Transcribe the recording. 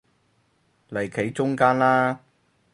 嚟企中間啦